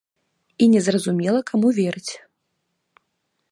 І незразумела каму верыць.